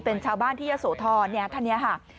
เป็นชาวบ้านที่ยะโสธรเนี่ยท่านนี้ค่ะ